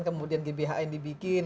kemudian gbhn dibikin